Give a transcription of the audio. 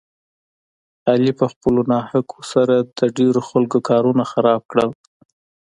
علي په خپلو ناحقو سره د ډېرو خلکو کارونه خراب کړل.